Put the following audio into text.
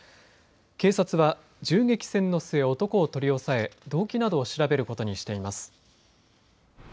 警察は銃撃戦の末、男を取り押さえ動機などを調べることにしています。